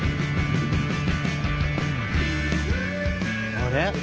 あれ？